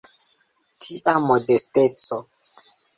Tia modesteco!